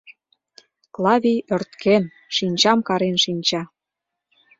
Клавий ӧрткен, шинчам карен шинча.